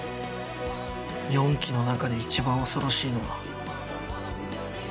四鬼の中で一番恐ろしいのは。